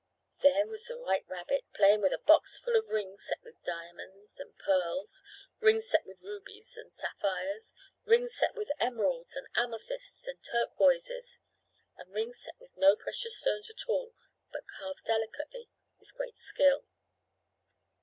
There was the white rabbit playing with a box full of rings set with diamonds and pearls, rings set with rubies and sapphires, rings set with emeralds and amethysts and turquoises, and rings set with no precious stones at all, but carved delicately, with great skill.